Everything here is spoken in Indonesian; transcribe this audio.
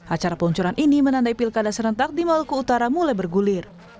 acara peluncuran ini menandai pilkada serentak di maluku utara mulai bergulir